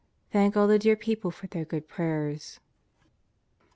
Thank all the dear people for their good prayers.